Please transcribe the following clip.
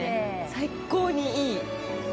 最高にいい！